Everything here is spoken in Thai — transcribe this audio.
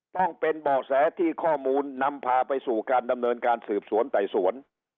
ต้องเป็นเบาะแสที่ข้อมูลนำพาไปสู่การดำเนินการสืบสวนไต่สวน